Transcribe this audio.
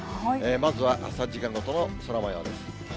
まずは３時間ごとの空もようです。